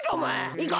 いいか？